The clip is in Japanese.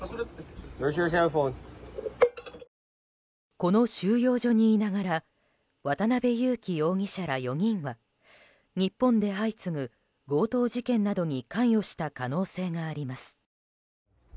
この収容所にいながら渡邉優樹容疑者ら４人は日本で相次ぐ強盗事件などに関与した可能性があります。